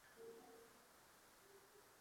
এখন তো আমরা রাস্তাও চিনি।